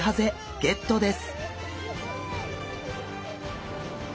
ゲットです。